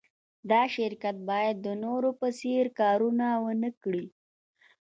دا شرکت باید د نورو په څېر کارونه و نهکړي